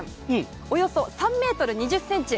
およそ３ｍ２０ｃｍ。